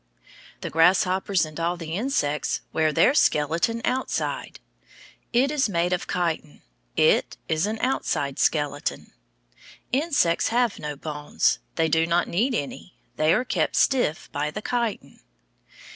The grasshoppers and all the insects wear their skeleton outside. It is made of chitin; it is an outside skeleton. Insects have no bones. They do not need any. They are kept stiff by the chitin.